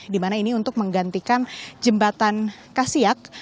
di mana ini untuk menggantikan jembatan kasiak